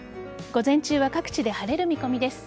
午前中は各地で晴れる見込みです。